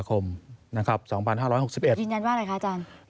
๒๕๖๑นะครับยืนยันว่าอะไรคะอาจารย์